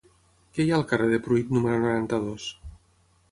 Què hi ha al carrer de Pruit número noranta-dos?